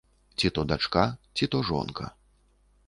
Ці то дачка, ці то жонка.